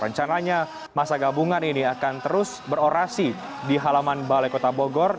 rencananya masa gabungan ini akan terus berorasi di halaman balai kota bogor